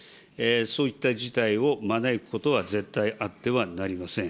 そういった事態を招くことは絶対あってはなりません。